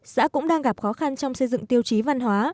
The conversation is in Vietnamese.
xã cũng đang gặp khó khăn trong xây dựng tiêu chí văn hóa